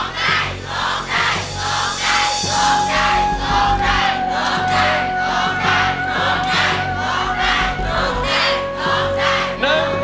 ร้องได้ร้องได้ลูกได้ลูกได้